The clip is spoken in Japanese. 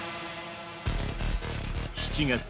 ７月。